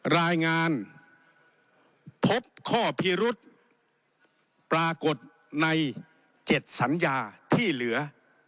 รายงานพบข้อพิรุษปรากฏใน๗สัญญาที่เหลือ